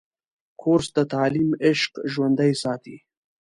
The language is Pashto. کورس د تعلیم عشق ژوندی ساتي.